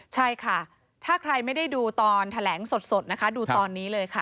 ใช่ค่ะถ้าใครไม่ได้ดูตอนแถลงสดนะคะดูตอนนี้เลยค่ะ